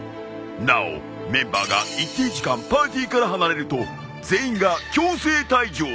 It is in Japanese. なおメンバーが一定時間パーティーから離れると全員が強制退場。